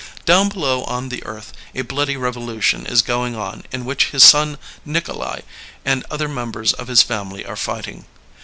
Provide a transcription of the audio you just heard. Down below on the earth a bloody revolution is going on in which his son Nikolay and other members of his family are fighting.